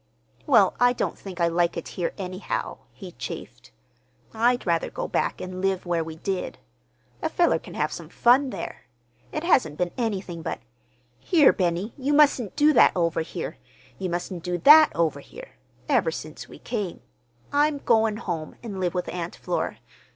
"Well, I don't think I like it here, anyhow," he chafed. "I'd rather go back an' live where we did. A feller can have some fun there. It hasn't been anything but 'Here, Benny, you mustn't do that over here, you mustn't do that over here!' ever since we came. I'm going home an' live with Aunt Flora.